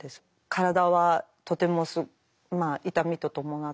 体はとても痛みと伴って。